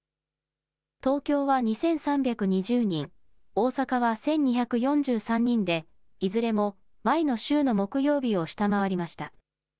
東京は２３２０人、大阪は１２４３人で、いずれも前の週の木曜日を下回りました。